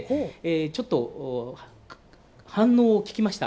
ちょっと反応を聞きました。